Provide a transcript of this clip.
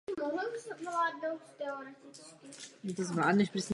Předsedu a místopředsedu soudu jmenuje z řad ústavních soudců prezident republiky.